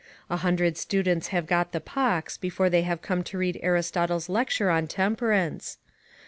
A hundred students have got the pox before they have come to read Aristotle's lecture on temperance.